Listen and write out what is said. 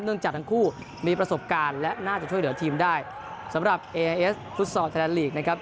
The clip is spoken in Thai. จากทั้งคู่มีประสบการณ์และน่าจะช่วยเหลือทีมได้สำหรับเอเอสฟุตซอลไทยแลนลีกนะครับ